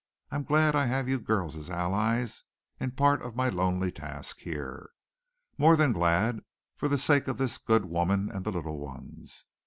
I'm glad I have you girls as allies in part of my lonely task here. More than glad, for the sake of this good woman and the little ones.